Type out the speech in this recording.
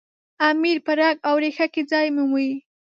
امیر په رګ او ریښه کې ځای مومي.